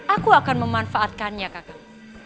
aku akan memanfaatkannya kakak